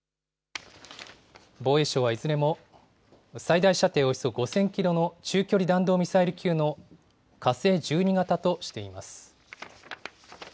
防衛省はいずれも、最大射程およそ５０００キロの中距離弾道ミサイル級の火星１２型としています。